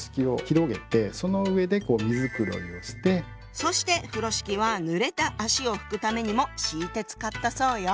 そして風呂敷はぬれた足を拭くためにも敷いて使ったそうよ。